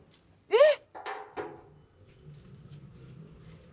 えっ！？